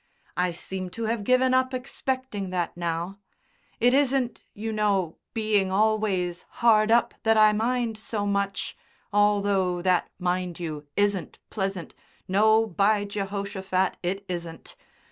I seem to have given up expecting that now. It isn't, you know, being always hard up that I mind so much, although that, mind you, isn't pleasant, no, by Jehoshaphat, it isn't.